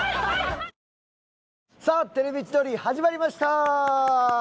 さあ『テレビ千鳥』始まりました！